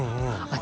私